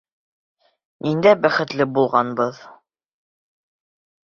Ниндәй бәхетле булғанбыҙ!..